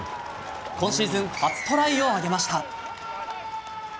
今シーズン初トライを挙げました。